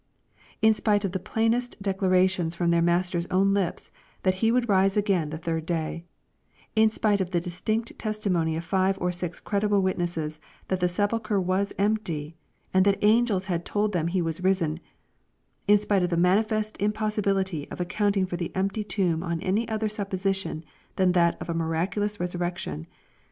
In spite of the plainest decla rations from their Master's own lips that He would rise again the third day, — in spite of the distinct testimony of five or six credible witnesses that the sepulchre was empty, and that angels had told them He was risen, — in spite of the manifest impossibility of accounting for the empty tomb on any other supposition than that of a miraculous resurrection.